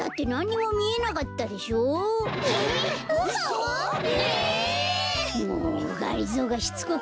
もうがりぞーがしつこく